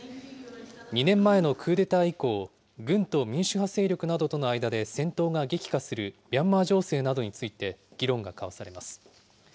２年前のクーデター以降、軍と民主派勢力などとの間で戦闘が激化するミャンマー情勢などについて議論が交わされます。